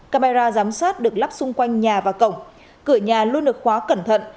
camera giám sát được lắp xung quanh nhà và cổng cửa nhà luôn được khóa cẩn thận